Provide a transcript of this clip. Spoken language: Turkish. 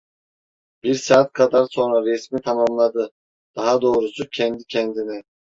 Bir saat kadar sonra resmi tamamladı, daha doğrusu, kendi kendine: